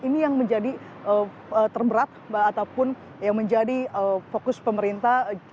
ini yang menjadi terberat ataupun yang menjadi fokus pemerintah